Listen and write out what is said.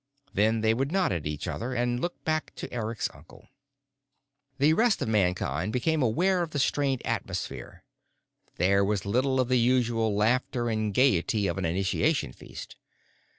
Then they would nod at each other and look back to Eric's uncle. The rest of Mankind became aware of the strained atmosphere: there was little of the usual laughter and gaiety of an initiation feast.